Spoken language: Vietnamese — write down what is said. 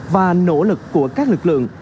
và nỗ lực của các lực lượng